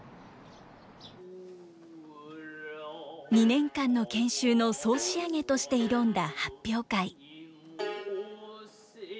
２年間の研修の総仕上げとして挑んだ発表会。